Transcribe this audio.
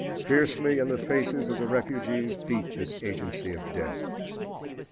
Fiercely in the faces of the refugees beat this agency of death.